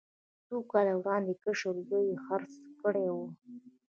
څو کاله وړاندې کشر زوی یې خرڅه کړې وه.